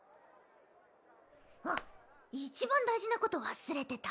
あっいちばん大事なこと忘れてた。